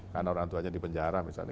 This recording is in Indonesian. karena orang tuanya di penjara misalnya